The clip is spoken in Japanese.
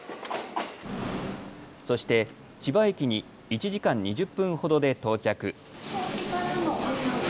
そして、千葉駅に１時間２０分ほどで到着。